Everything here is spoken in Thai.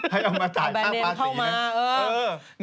ให้เอามาจ่ายค่าประสิทธิ์นั้นเออ